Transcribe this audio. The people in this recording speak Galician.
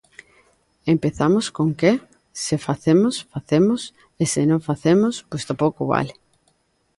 Empezamos con que, se facemos, facemos, e se non facemos, pois tampouco vale.